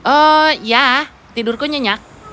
oh ya tidurku nyenyak